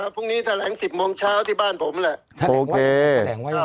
พรุ่งนี้แถลง๑๐โมงเช้าที่บ้านผมแหละโอเค